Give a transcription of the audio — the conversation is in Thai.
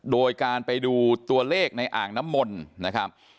โดยการไปดูตัวเลขในอ่างน้ำมนต์นะครับ